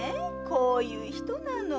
こういう人なの。